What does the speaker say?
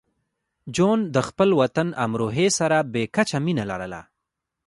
جون د خپل وطن امروهې سره بې کچه مینه لرله